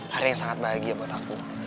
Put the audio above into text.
hari yang sangat bahagia buat aku